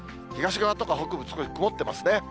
東側とか北部、少し曇ってますね。